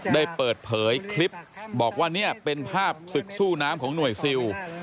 ได้เปิดเผยคลิปบอกว่าเนี่ยเป็นภาพศึกสู้น้ำของหน่วยซิล